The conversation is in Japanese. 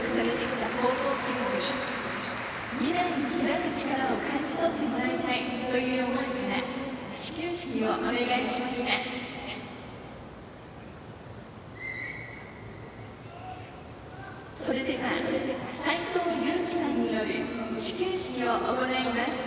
未来を開く力を感じ取ってもらいたいという思いから始球式をお願いしました。